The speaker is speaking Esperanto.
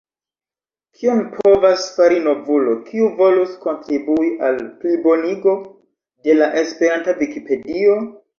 Kion povas fari novulo, kiu volus kontribui al plibonigo de la esperanta Vikipedio?